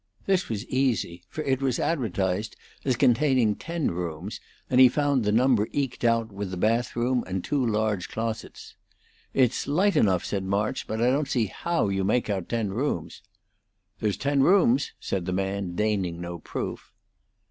This was easy, for it was advertised as containing ten rooms, and he found the number eked out with the bath room and two large closets. "It's light enough," said March, "but I don't see how you make out ten rooms." "There's ten rooms," said the man, deigning no proof.